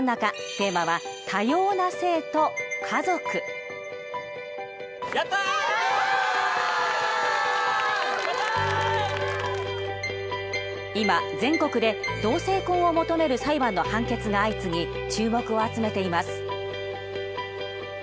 テーマは今全国で同性婚を求める裁判の判決が相次ぎ注目を集めています。